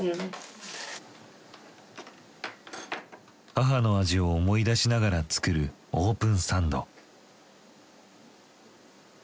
母の味を思い出しながら作るオープンサンド。